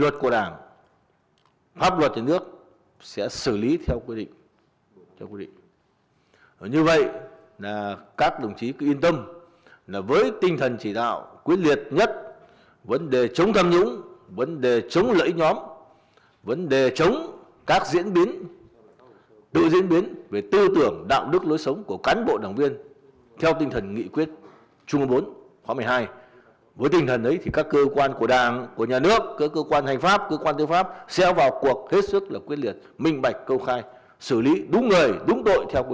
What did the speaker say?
trả lời câu hỏi xử lý theo quy định của pháp luật